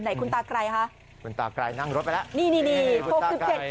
ไหนคุณตาไกรฮะคุณตาไกรนั่งรถไปแล้วนี่นี่นี่พวกเช็ด